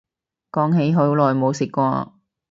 講起好耐冇食過